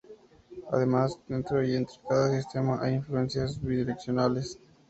Además, dentro y entre cada sistema hay influencias bidireccionales.